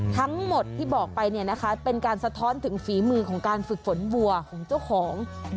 ทั้งหมดที่บอกไปเป็นการสะท้อนถึงฝีมือของการฝึกฝนวัวของเจ้าของ